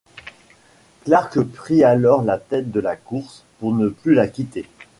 Clark pris alors la tête de la course pour ne plus la quitter.